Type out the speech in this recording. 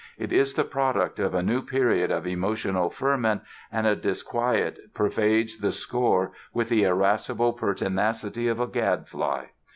It is the product of a new period of emotional ferment and a disquiet pervades the score with the irascible pertinacity of a gadfly.